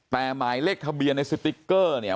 แต่หมายเลขทะเบียนในสติ๊กเกอร์เนี่ย